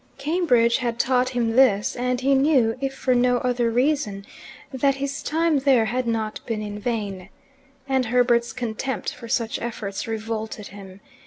Cambridge had taught him this, and he knew, if for no other reason, that his time there had not been in vain. And Herbert's contempt for such efforts revolted him.